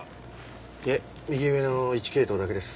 いえ右上の１系統だけです。